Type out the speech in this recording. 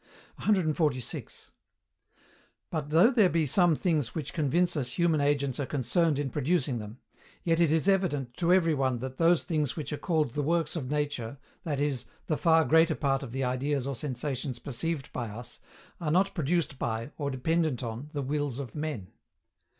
146. But, though there be some things which convince us human agents are concerned in producing them; yet it is evident to every one that those things which are called the Works of Nature, that is, the far greater part of the ideas or sensations perceived by us, are not produced by, or dependent on, the wills of men.